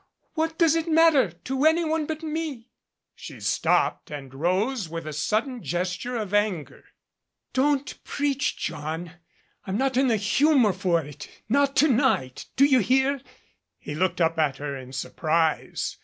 What does it matter to any one but me ?" She stopped and rose with a sudden gesture of anger. "Don't preach, John. I'm not in the humor for it not to night do you hear?" He looked up at her in surprise.